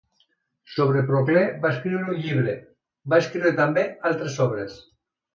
Sobre Procle va escriure un llibre; va escriure també altres obres.